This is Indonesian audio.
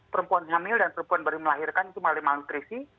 perempuan hamil dan perempuan baru melahirkan itu melalui malnutrisi